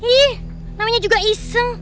ih namanya juga iseng